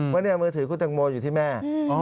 ว่าเนี่ยมือถือคุณตังโมอยู่ที่แม่